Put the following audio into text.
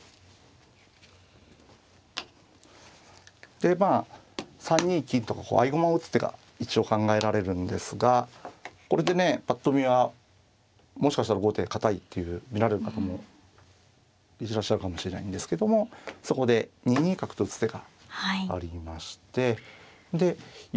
でまあ３二金とここ合駒を打つ手が一応考えられるんですがこれでねぱっと見はもしかしたら後手堅いっていう見られる方もいらっしゃるかもしれないんですけどもそこで２二角と打つ手がありましてで４三玉にまあ